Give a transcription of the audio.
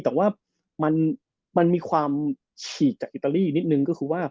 แต่ว่ามันมีความฉีดกับอิตาลีนิดนึง